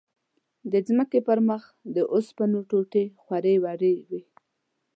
د ځمکې پر مخ د اوسپنو ټوټې خورې ورې وې.